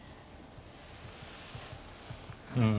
うん。